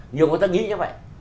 nhiều người ta nghĩ như vậy